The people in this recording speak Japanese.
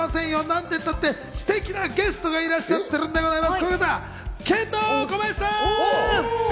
なんてったって、ステキなゲストがいらっしゃってるんでございます。